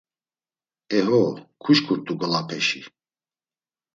E ho, kuşǩurt̆u ngolapeşi.